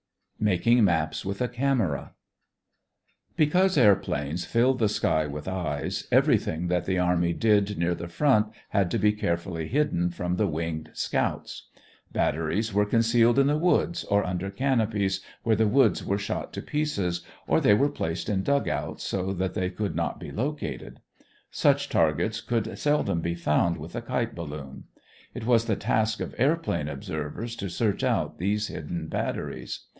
MAKING MAPS WITH A CAMERA Because airplanes filled the sky with eyes, everything that the army did near the front had to be carefully hidden from the winged scouts. Batteries were concealed in the woods, or under canopies where the woods were shot to pieces, or they were placed in dugouts so that they could not be located. Such targets could seldom be found with a kite balloon. It was the task of airplane observers to search out these hidden batteries.